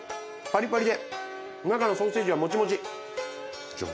パリパリで中のソーセージはもちもち！